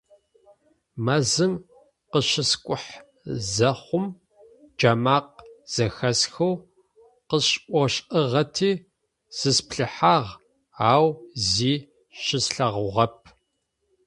Мэзым къыщыскӀухьэ зэхъум джэмакъэ зэхэсхэу къысшӀошӀыгъэти зысплъыхьагъ, ау зи щыслъэгъугъэп.